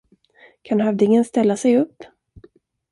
Kan hövdingen ställa sig upp?